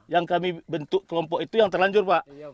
yang kami bentuk kelompok itu yang terlanjur pak